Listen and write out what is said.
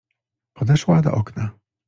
Podeszła do okna.